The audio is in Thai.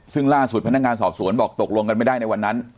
ซึ่งล่าสุดพนักงานสอบสวนบอกตกลงกันไม่ได้ในวันนั้น